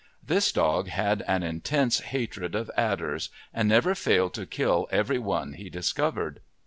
This dog had an intense hatred of adders and never failed to kill every one he discovered.